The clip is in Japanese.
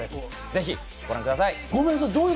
ぜひご覧ください。